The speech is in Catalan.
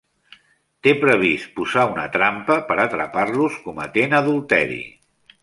Té previst posar una trampa per atrapar-los cometent adulteri.